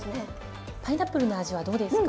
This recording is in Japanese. パイナップルの味はどうですか？